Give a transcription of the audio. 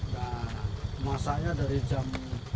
dan masanya dari jam